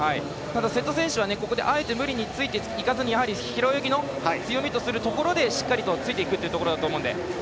瀬戸選手は、あえて無理についていかずやはり、平泳ぎの強みとするところでしっかりとついていくというところだと思うので。